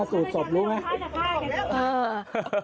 พี่เดชน์พี่เดชน์พี่เดชน์พี่เดชน์